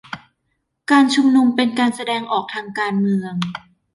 การชุมนุมเป็นการแสดงออกทางการเมือง